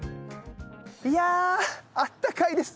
いやあったかいです。